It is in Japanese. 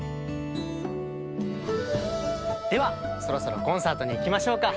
ではそろそろコンサートにいきましょうか。